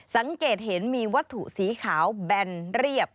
สังเกตเห็นมีวัตถุสีขาวแบนเรียบ